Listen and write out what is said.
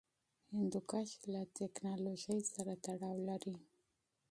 هندوکش له تکنالوژۍ سره تړاو لري.